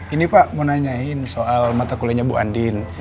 ini pak mau nanyain soal mata kuliahnya bu andin